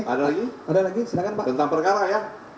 ada lagi tentang perkara ya